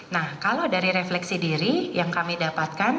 nah kalau dari refleksi diri yang kami dapatkan